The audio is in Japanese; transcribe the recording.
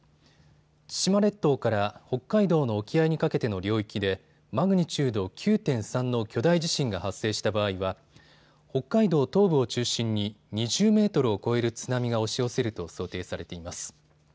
千島列島から北海道の沖合にかけての領域でマグニチュード９．３の巨大地震が発生した場合は北海道東部を中心に２０メートルを超える津波が押し寄せると想定されています。